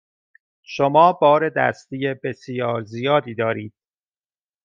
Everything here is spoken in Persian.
شما بار دستی بسیار زیادی دارید.